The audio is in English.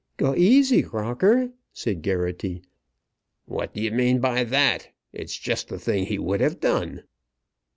"Go aisy, Crocker," said Geraghty. "What do you mean by that? It's just the thing he would have done."